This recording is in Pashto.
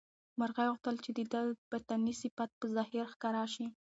مرغۍ غوښتل چې د ده باطني صفت په ظاهر ښکاره شي.